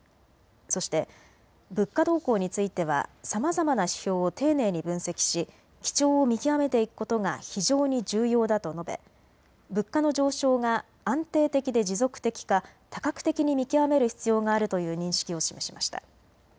そして物価動向についてはさまざまな指標を丁寧に分析し基調を見極めていくことが非常に重要だと述べ物価の上昇が安定的で持続的か多角的に見極める必要があるという認識を示しました。